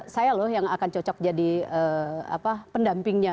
saya loh yang akan cocok jadi pendampingnya